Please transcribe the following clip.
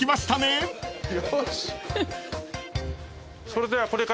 それでは。